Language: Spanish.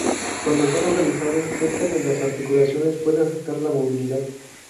Cuando está localizado cerca de las articulaciones puede afectar la movilidad.